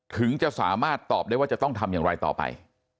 ถึงจะสามารถตอบได้ว่าจะต้องทำอย่างไรต่อไป